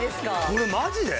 これマジで？